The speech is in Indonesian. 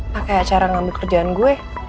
pakai acara ngambil kerjaan gue